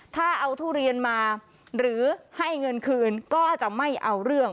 ถ้าเอาทุเรียนมาหรือให้เงินคืนก็จะไม่เอาเรื่อง